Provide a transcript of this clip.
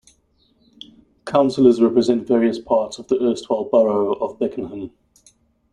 Councillors represent various parts of the erstwhile Borough of Beckenham.